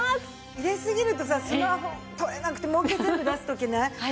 入れすぎるとさスマホ取れなくてもう一回全部出す時ない？